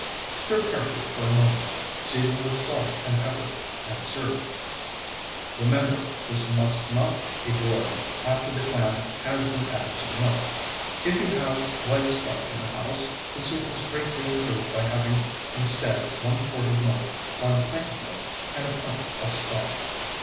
Stir carefully for a moment, season with salt and pepper, and serve. Remember this must not be boiled after the clam has been added to the milk. If you have white stock in the house the soup is greatly improved by having instead one quart of milk, one pint of milk and a pint of stock.